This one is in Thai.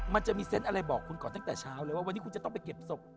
มันจะมีเซนต์อะไรบอกคุณก่อนตั้งแต่เช้าเลยว่าวันนี้คุณจะต้องไปเก็บศพ